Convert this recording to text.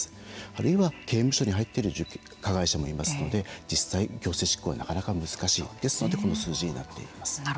あるいは、刑務所に入っている加害者もいますので実際、強制執行はなかなか難しいのでですので、この数字になっています。